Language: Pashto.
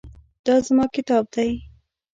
دا زما کتاب دی